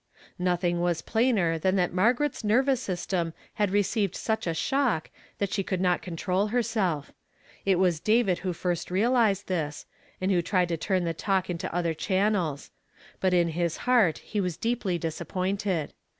Nothing was plainer than that Margaret's ner vous system had received such a shock that she could not control herself. It was David who first realized this, and who tried to turn the talk into other chainiels; but in his heart he was deeply disappointed.